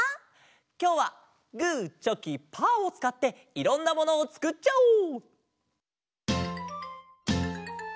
きょうはグーチョキパーをつかっていろんなものをつくっちゃおう。